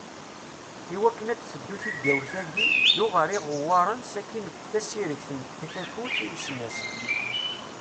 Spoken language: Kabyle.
I wakken ad teddu tigawt-agi ddu ɣer iɣewwaṛen sakin efk tasiregt n tkatut i usnas.